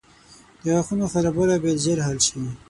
• د غاښونو خرابوالی باید ژر حل شي.